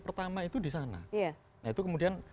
pertama itu di sana nah itu kemudian